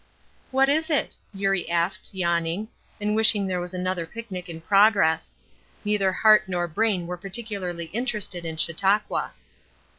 "What is it?" Eurie asked, yawning, and wishing there was another picnic in progress. Neither heart nor brain were particularly interested in Chautauqua.